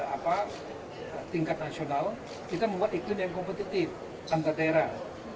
apa tingkat nasional kita membuat iklim yang kompetitif antar daerah